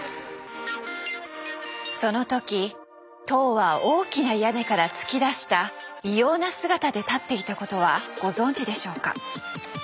その時塔は大きな屋根から突き出した異様な姿で立っていたことはご存じでしょうか。